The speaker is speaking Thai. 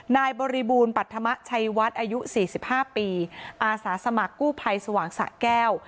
บริบูรณ์ปัธมะชัยวัดอายุ๔๕ปีอาสาสมัครกู้ภัยสว่างสะแก้ว